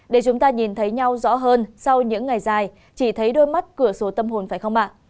để chúng ta nhìn thấy nhau rõ hơn sau những ngày dài chỉ thấy đôi mắt cửa sổ tâm hồn phải không ạ